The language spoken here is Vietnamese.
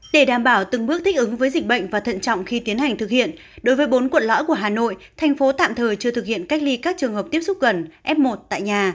để đảm bảo từng bước thích ứng với dịch bệnh và thận trọng khi tiến hành thực hiện đối với bốn quận lõi của hà nội thành phố tạm thời chưa thực hiện cách ly các trường hợp tiếp xúc gần f một tại nhà